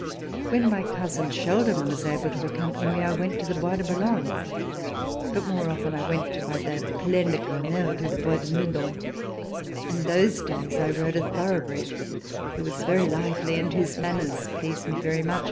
When my cousin Sheldon was able to accompany me, I went to the Bois de Boulogne, but more often I went by the Plaine de Crenelle to the Bois de Meudon, and those days I rode a thoroughbred who was very lively and whose manners pleased me very much.